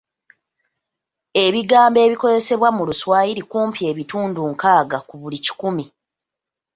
Ebigambo ebikozesebwa mu Luswayiri kumpi ebitundu nkaaga ku buli kikumi.